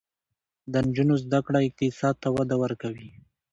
د نجونو زده کړه اقتصاد ته وده ورکوي.